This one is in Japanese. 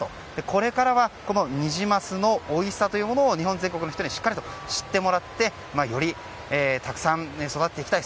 これからは、このニジマスのおいしさというものを日本全国の人にしっかりと知ってもらってよりたくさん育てていきたい